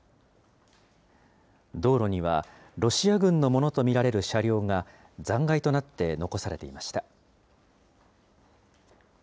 道路には、ロシア軍のものと見られる車両が、残骸となって残されていました。